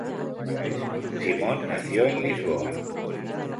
Simone nació en Lisboa.